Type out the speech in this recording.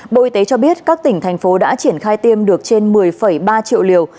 bộ y tế cho biết các tỉnh thành phố đã triển khai tiêm được trên một mươi ba triệu liều